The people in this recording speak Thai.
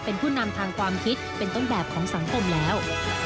เป็นผู้นำทางความคิดเป็นต้นแบบของสังคมแล้ว